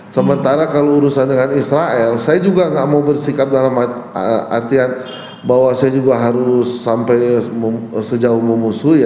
sementara kalau urusan dengan israel saya juga nggak mau bersikap dalam artian bahwa saya juga harus sampai sejauh memusuhi